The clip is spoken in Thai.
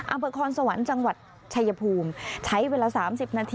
อาเบิกขอนสวรรค์จังหวัดไชยภูมิใช้เวลาสามสิบนาที